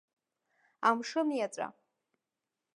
Амшын иаҵәа.